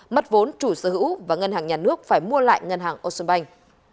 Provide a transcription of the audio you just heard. mất vốn chủ sở hữu và ngân hàng nhà nước phải mua lại ngân hàng ocean bank